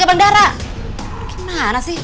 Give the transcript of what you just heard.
kok jadi kentri kaki gini sih